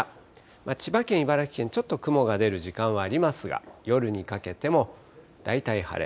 千葉県、茨城県、ちょっと雲が出る時間はありますが、夜にかけても大体晴れ。